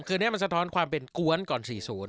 คืออันนี้มันสะท้อนความเป็นกวนก่อน๔๐